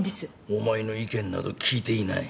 お前の意見など聞いていない。